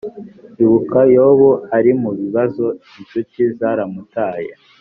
Ibuka yobu ari mubibazo inshuti zaramutaye